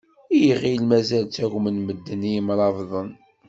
Iɣill mazal ttagmen medden i imrabḍen.